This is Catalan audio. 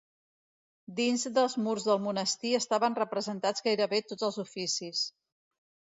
Dins dels murs del monestir estaven representats gairebé tots els oficis.